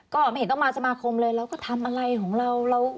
ก็ไม่เห็นต้องมาสมาคมเลยเราก็ทำอะไรของเรา